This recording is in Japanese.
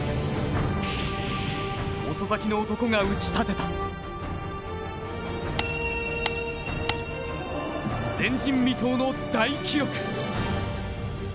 遅咲きの男が打ち立てた前人未到の大記録。